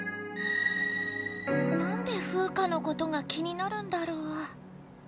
なんでフウカのことが気になるんだろう。